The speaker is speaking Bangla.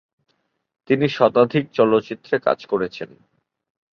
তিনি শতাধিক চলচ্চিত্রে কাজ করেছেন।